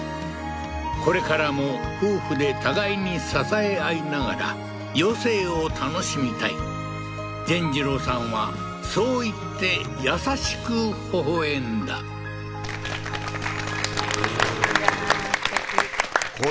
これからも夫婦で互いに支え合いながら余生を楽しみたい善次郎さんはそう言って優しくほほ笑んだうーんいやー